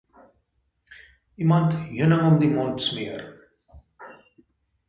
Iemand heuning om die mond smeer